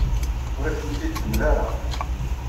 Ur ak-tent-id-temla ara.